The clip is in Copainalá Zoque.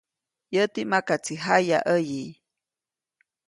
Yäti makaʼtsi jayaʼäyi.